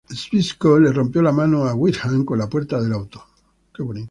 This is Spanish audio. Zbyszko le rompió la mano a Windham con la puerta del auto.